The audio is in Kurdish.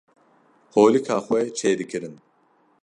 holika xwe çê dikirin